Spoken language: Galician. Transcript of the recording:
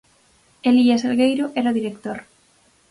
Elías Salgueiro era o director.